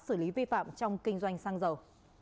xử lý vi phạm trong kinh doanh xăng dầu